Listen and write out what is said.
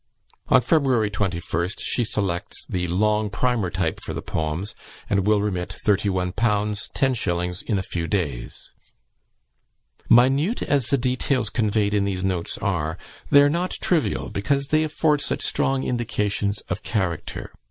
On February 21st she selects the "long primer type" for the poems, and will remit 31_l_. 10_s_. in a few days. Minute as the details conveyed in these notes are, they are not trivial, because they afford such strong indications of character.